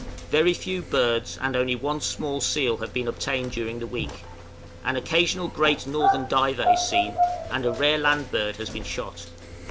Very few birds, and only one small seal, have been obtained during the week; an occasional great northern diver is seen, and a rare land bird has been shot.